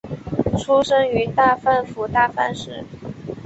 出身于大阪府大阪市。